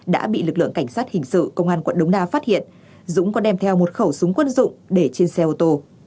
đã bị lực lượng cảnh sát hình sự công an quận đống đa phát hiện dũng có đem theo một khẩu súng quân dụng để trên xe ô tô